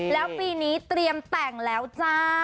แล้วปีนี้เตรียมแต่งแล้วจ้า